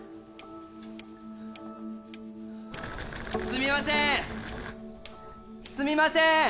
すみませんすみません！